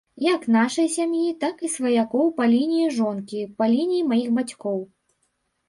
Як нашай сям'і, так і сваякоў па лініі жонкі, па лініі маіх бацькоў.